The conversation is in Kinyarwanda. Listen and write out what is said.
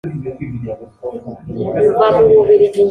mva mu bubiligi njya mu bufaransa,